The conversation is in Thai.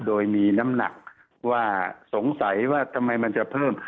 โดยมีน้ำหนักว่าสงสัยว่าทำไมมันจะเพิ่ม